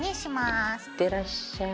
いってらっしゃい。